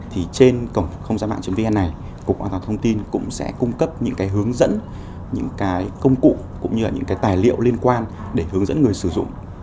trên cổng không gian mạng vn này cục an toàn thông tin cũng sẽ cung cấp những hướng dẫn công cụ tài liệu liên quan để hướng dẫn người sử dụng